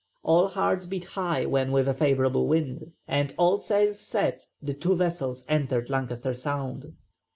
All hearts beat high when with a favourable wind and all sails set the two vessels entered Lancaster Sound.